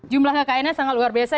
jumlah kekayaannya sangat luar biasa